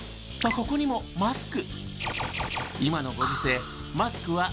ここにもマスク。